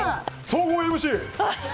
総合ＭＣ！